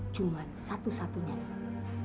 cuma satu satunya ini